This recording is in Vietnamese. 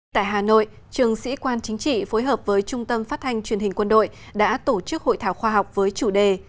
tại hà nội trường sĩ quan chính trị phối hợp với trung tâm phát thanh truyền hình quân đội đã tổ chức hội thảo khoa học với chủ đề